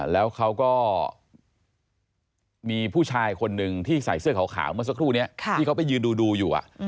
แล้วเขาก็มีผู้ชายคนนึงที่ใส่เสื้อขาวแม่งสักครู่เนี่ยที่เดินไปดูดูอยู่